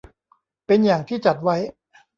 เป็นอย่างที่จัดไว้